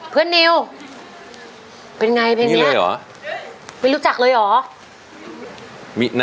เพื่อนนิวเป็นไงเพลงนี้ไม่รู้จักเลยหรอ